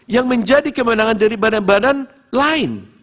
yang menjadi kewenangan dari badan badan lain